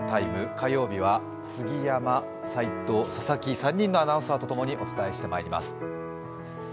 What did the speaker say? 火曜日は杉山、齋藤、佐々木、３人のアナウンサーとともにお伝えしてまいります。